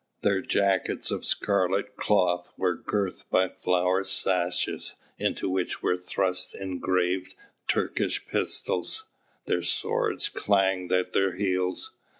Their jackets of scarlet cloth were girt by flowered sashes into which were thrust engraved Turkish pistols; their swords clanked at their heels.